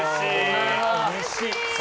うれしい。